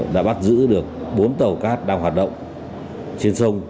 đã bắt giữ được bốn tàu cát đang hoạt động trên sông